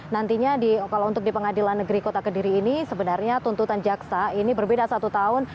nantinya kalau untuk di pengadilan negeri kota kediri ini sebenarnya tuntutan jaksa ini berbeda satu tahun